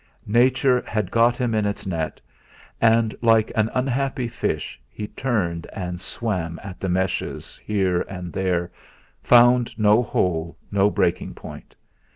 Nature had got him in its net, and like an unhappy fish he turned and swam at the meshes, here and there, found no hole, no breaking point.